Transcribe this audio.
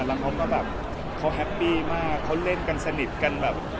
แล้วเขาก็แบบเขาแฮปปี้มากเขาเล่นกันสนิทกันแบบ